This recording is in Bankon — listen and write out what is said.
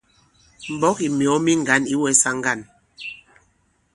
M̀mbɔ̌k ì myɔ̀ɔ mi ŋgǎn ǐ wɛsa ŋgân.